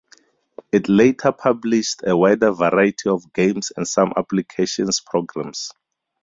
It later published a wider variety of games and some applications programs.